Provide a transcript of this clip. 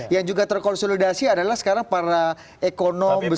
yang juga terkonsolidasi adalah sekarang para ekonom